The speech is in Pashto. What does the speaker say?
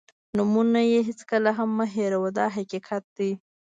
نومونه یې هېڅکله هم مه هېروه دا حقیقت دی.